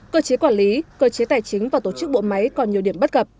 cơ chế quản lý cơ chế tài chính và tổ chức bộ máy còn nhiều điểm bất cập